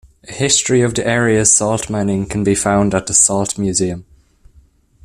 A history of the area's salt mining can be found at the Salt Museum.